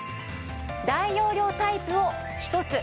大容量タイプを１つ。